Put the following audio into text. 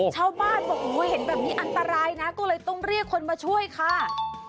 ชาวบ้านบอกโอ้โหเห็นแบบนี้อันตรายนะก็เลยต้องเรียกคนมาช่วยค่ะ